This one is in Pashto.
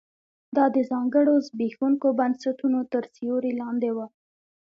دا د ځانګړو زبېښونکو بنسټونو تر سیوري لاندې و